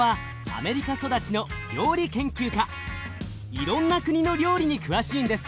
いろんな国の料理に詳しいんです。